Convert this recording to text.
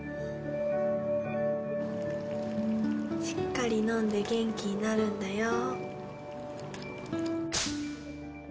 しっかり飲んで元気になるんだよ